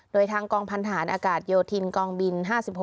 โดยทางกองพันธาอากาศโยธินกองบิน๕๖